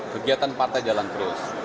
kegiatan partai jalan terus